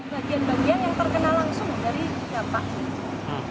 bagian bagian yang terkena langsung dari dampak ini